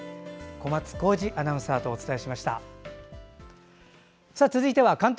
小松宏司アナウンサーとお伝えしました。